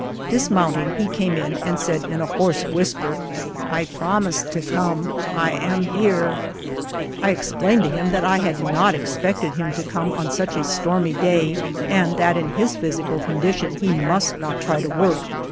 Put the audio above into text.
Dismounting he came in and said in a hoarse whisper, " I promised to come. I am here." I explained to him that I had not ex pected him to come on such a stormy day, and that in his physical condition he must not try to work.